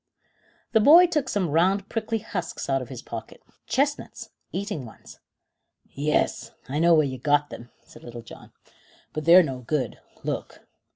The boy took some round prickly husks out of his pocket. "Chestnuts eating ones." "Yes, I know where you got them," said Little John, "but they're no good. Look."